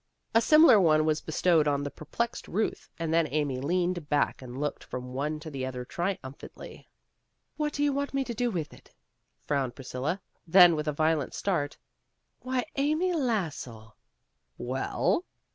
A similar one was bestowed on the perplexed Euth, and then Amy leaned back and looked from one to the other triumph antly. "What do you want me to do with it?" frowned Priscilla. Then with a violent start, "Why, Amy Lassell!'" "Well?"